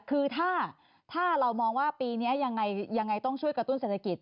คือถ้าเรามองว่าปีนี้ยังไงต้องช่วยกระตุ้นเศรษฐกิจ